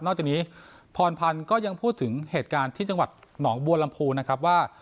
จากนี้พรพันธ์ก็ยังพูดถึงเหตุการณ์ที่จังหวัดหนองบัวลำพูนะครับว่า